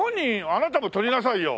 あなたもとりなさいよ。